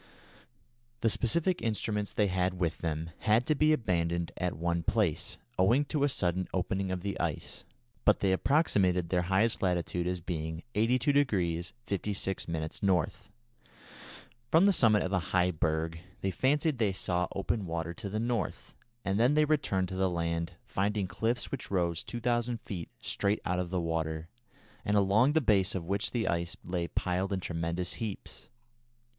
The scientific instruments they had with them had to be abandoned at one place, owing to a sudden opening of the ice, but they approximated their highest latitude as being 82° 56' N. From the summit of a high berg, they fancied they saw open water to the North, and then they returned to the land, finding cliffs which rose 2000 feet straight out of the water, and along the base of which the ice lay piled in tremendous heaps.